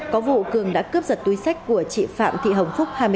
có vụ cường đã cướp giật túi sách của chị phạm thị hồng phúc